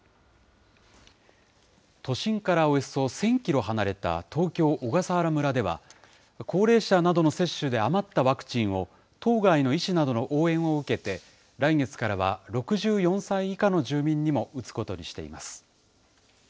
都心からおよそ１０００キロ離れた東京・小笠原村では、高齢者などの接種で余ったワクチンを、島外の医師などの応援を受けて、来月からは６４歳以下の住民にも打つことにしています。